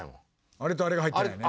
あれとあれが入ってないね。